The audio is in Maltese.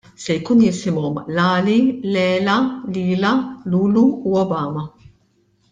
Se jkun jisimhom Lali, Lela, Lila, Lulu u Obama.